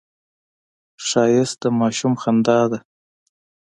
ښایست د ماشوم خندا ده